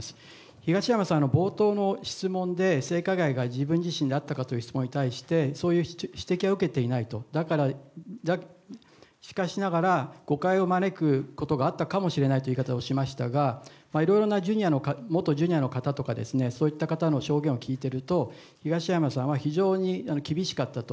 東山さん、冒頭の質問で、性加害が自分自身にあったかという質問に対して、そういう指摘は受けていないと、しかしながら誤解を招くことがあったかもしれないという言い方をしましたが、いろいろな元ジュニアの方とか、そういった方の証言を聞いてると、東山さんは非常に厳しかったと。